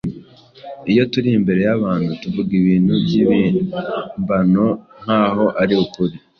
Iyo turi imbere y’abantu tuvuga ibintu by’ibihimbano nk’aho ari ukuri,